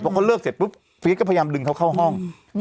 พอเขาเลิกเสร็จปุ๊บเฟียสก็พยายามดึงเขาเข้าห้อง